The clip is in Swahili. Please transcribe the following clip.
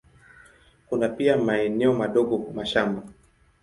Kuna pia maeneo madogo kwa mashamba.